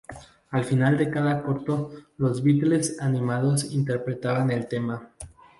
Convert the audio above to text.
Al final de cada corto los Beatles animados interpretaban el tema.